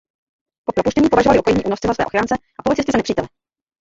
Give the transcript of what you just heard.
Po propuštění považovali rukojmí únosce za své ochránce a policisty za nepřítele.